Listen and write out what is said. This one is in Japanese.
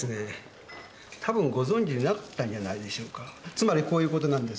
つまりこういうことなんです。